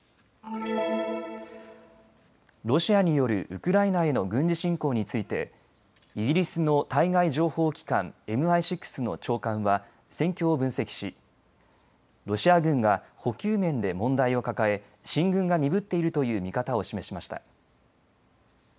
ロシアによるウクライナへの軍事侵攻についてイギリスの対外情報機関、ＭＩ６の長官は戦況を分析しロシア軍が補給面で問題を抱え進軍が鈍っているという見方を示しました。